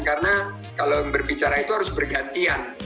karena kalau berbicara itu harus bergantian